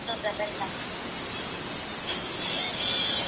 El terreno alrededor del Alto del Buey es sobre todo rocoso.